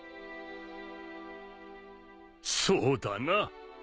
そうだな。